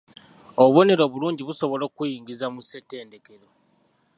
Obubonero obulungi busobola okuyingiza mu ssetendekero.